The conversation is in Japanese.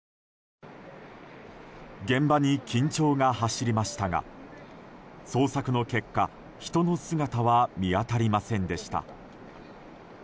現場に緊張が走りましたが捜索の結果人の姿は見当たりませんでした。